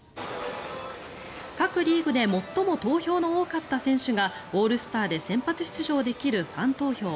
各リーグで最も投票の多かった選手がオールスターで先発出場できるファン投票。